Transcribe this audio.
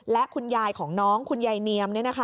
และคุณยายของน้องคุณยายเนียม